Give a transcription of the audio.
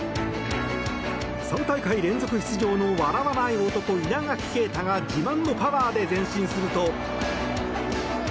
３大会連続出場の笑わない男・稲垣啓太が自慢のパワーで前進すると。